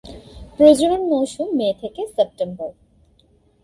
প্রজনন মৌসুম মে থেকে সেপ্টেম্বর।